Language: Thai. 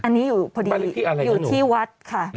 อันนี้อยู่พอดีอยู่ที่วัดค่ะ